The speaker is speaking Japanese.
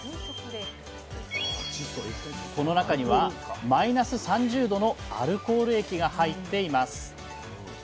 この中にはマイナス３０℃のアルコール液が入っています。